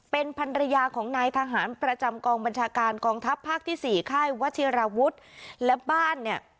เป็นพันรยาของนายทหารประจำกองบัญชาการกองทัพภาคที่สี่ค่ายวัชิราวุฒิและบ้านเนี่ย